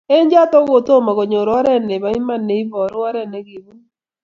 Eng choto kotomo konyor oret ne bo iman ne iboru oret ne kibun